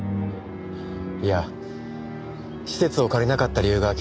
いや施設を借りなかった理由が気になって。